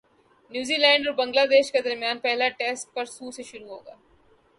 New Zealand اور Bangladesh کے درمیان پہلا ٹیسٹ پرسوں سے شروع ہوگا